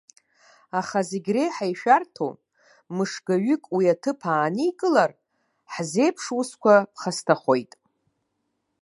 Аха зегь реиҳа ишәарҭоу, мышгаҩык уи аҭыԥ ааникылар, ҳзеиԥш усқәа ԥхасҭахоит!